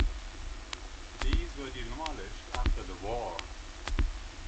These were demolished after the war.